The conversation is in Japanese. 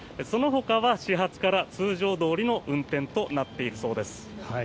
そのほかは始発から通常どおりの運転となっているそうです。